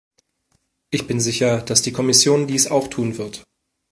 Ich bin sicher, dass die Kommission dies auch tun wird.